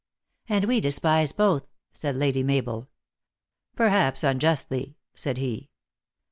" And we despise both," said Lady Mabel." "Perhaps unjustly," said he.